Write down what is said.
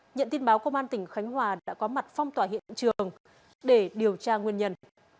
nhận tin báo công an tỉnh khánh hòa đã có mặt phong tỏa hiện trường để điều tra nguyên nhân